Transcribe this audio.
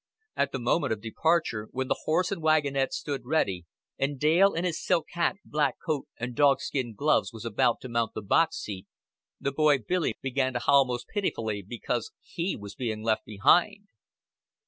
At the moment of departure, when the horse and wagonette stood ready, and Dale in his silk hat, black coat, and dogskin gloves was about to mount the box seat, the boy Billy began to howl most pitifully because he was being left behind.